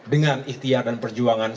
dengan ikhtiar dan perjuangan